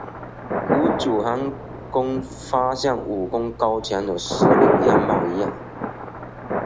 古九寒更发现武功高强的石榴样貌一样。